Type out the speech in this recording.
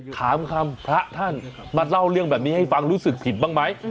ถามคำพระท่านมาเล่าเรื่องแบบนี้ให้ฟังรู้สึกผิดบ้างไหม